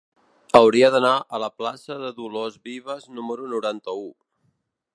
Hauria d'anar a la plaça de Dolors Vives número noranta-u.